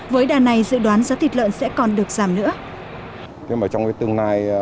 với đàn này dự đoán giá thịt lợn sẽ còn được giảm nữa